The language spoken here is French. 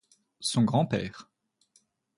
Son grand-père.